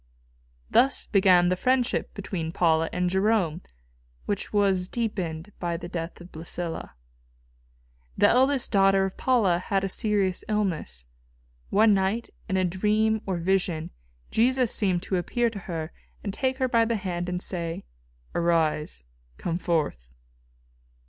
Thus began the friendship between Paula and Jerome, which was deepened by the death of Blæsilla. This eldest daughter of Paula had a serious illness. One night, in a dream or vision, Jesus seemed to appear to her and take her by the hand and say, "Arise, come forth."